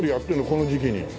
この時期に。